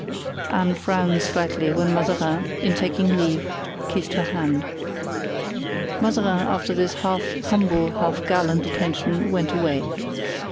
Anne frowned slightly when Mazarin, in taking leave, kissed her hand. Mazarin, after this half humble, half gallant attention, went away.